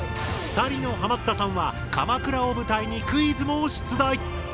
２人のハマったさんは鎌倉を舞台にクイズも出題。